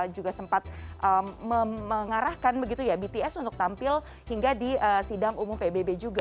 juga sempat mengarahkan begitu ya bts untuk tampil hingga di sidang umum pbb juga